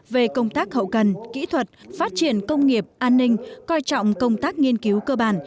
lực lượng hậu cần kỹ thuật phát triển công nghiệp an ninh coi trọng công tác nghiên cứu cơ bản